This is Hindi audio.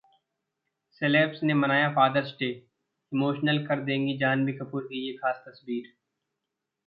सेलेब्स ने मनाया फादर्स डे, इमोशनल कर देगी जाह्नवी कपूर की ये खास तस्वीर